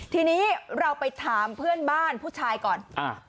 ทีนี้เราไปถามเพื่อนบ้านผู้ชายก่อนอ่า